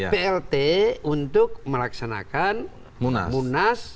plt untuk melaksanakan munas